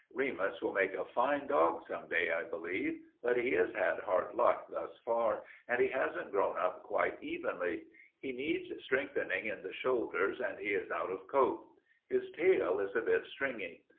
Remus will make a fine dog some day, I believe, but he has had hard luck thus far and he hasn't grown up quite evenly. He needs strengthening in the shoulders and he is out of coat. His tail is a bit stringy.